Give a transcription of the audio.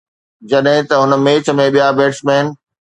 جڏهن ته هن ميچ ۾ ٻيا بيٽسمين